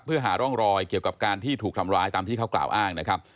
เพื่อหาร่องรอยเกี่ยวกับการที่ถูกทำร้ายตามที่เขากล่าวอ้างนะครับ